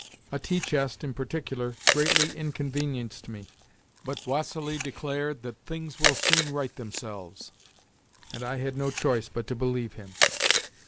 A tea chest, in particular, greatly inconvenienced me, but Vassili declared that "things will soon right themselves," and I had no choice but to believe him.